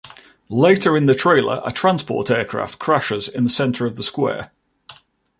Later in the trailer a transport aircraft crashes in the center of the square.